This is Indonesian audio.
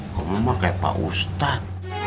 kamu mah kayak pak ustadz